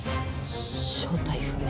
正体不明。